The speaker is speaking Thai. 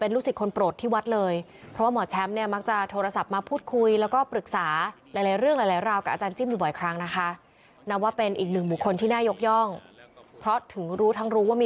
และแม่ต่อไปของหมอแฉม